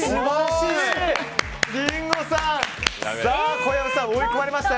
小籔さん、追い込まれましたよ。